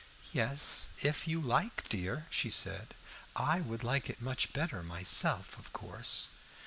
"Yes, if you like, dear," she said. "I would like it much better myself, of course."